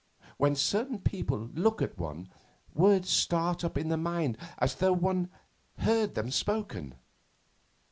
When certain people look at one, words start up in the mind as though one heard them spoken.